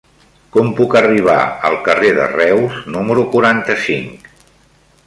Com puc arribar al carrer de Reus número quaranta-cinc?